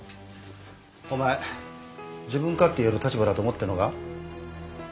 お前自分勝手言える立場だと思ってんのか？